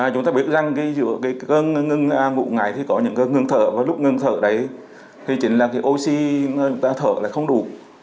chúng ta biết rằng giữa ngừng ngủ ngáy thì có những ngừng thở và lúc ngừng thở đấy thì chính là oxy chúng ta thở là không đủ